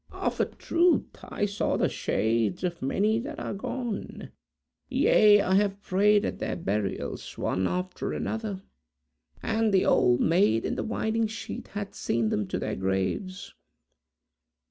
"Of a truth, I saw the shades of many that are gone. Yea, I have prayed at their burials, one after another, and the 'Old Maid in the Winding Sheet' hath seen them to their graves!"